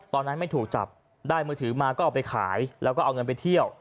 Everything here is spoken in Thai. ตอนนั้นไม่ถูกจับได้มือถือมาก็เอาไปขายแล้วก็เอาเงินไปเที่ยว